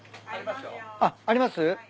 あっあります？